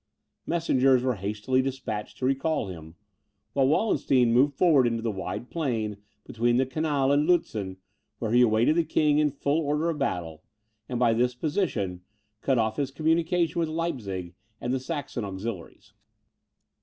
Messengers were hastily despatched to recall him, while Wallenstein moved forward into the wide plain between the Canal and Lutzen, where he awaited the King in full order of battle, and, by this position, cut off his communication with Leipzig and the Saxon auxiliaries.